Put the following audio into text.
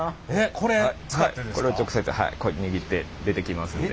これを直接握って出てきますので。